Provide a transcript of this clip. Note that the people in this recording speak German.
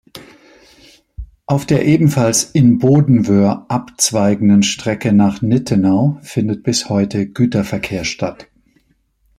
Auf der ebenfalls in Bodenwöhr abzweigenden Strecke nach Nittenau findet bis heute Güterverkehr statt.